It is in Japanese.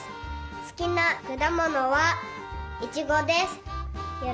すきなくだものはいちごです。